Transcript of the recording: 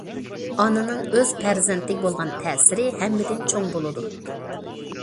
ئانىنىڭ ئۆز پەرزەنتىگە بولغان تەسىرى ھەممىدىن چوڭ بولىدۇ.